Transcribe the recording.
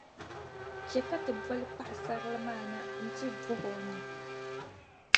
Chɛ ka ti boli paɣisarili maa na nti bɔhi o nya.